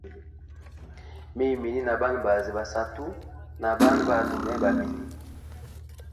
Mimi ni na Bana bazi ba satu na Bana balume babili.